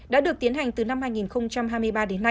đã được tiến hành từ năm hai nghìn hai mươi